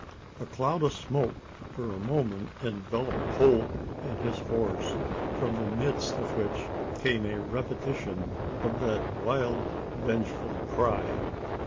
A cloud of smoke for a moment enveloped Holt and his horse, from the midst of which came a repetition of that wild vengeful cry.